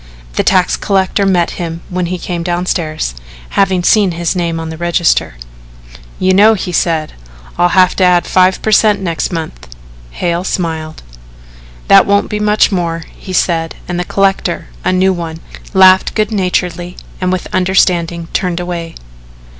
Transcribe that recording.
The tax collector met him when he came downstairs having seen his name on the register. "You know," he said, "I'll have to add 5 per cent. next month." Hale smiled. "That won't be much more," he said, and the collector, a new one, laughed good naturedly and with understanding turned away.